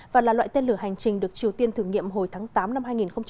và là loại tên lửa hành trình được triều tiên thử nghiệm hồi tháng tám năm hai nghìn hai mươi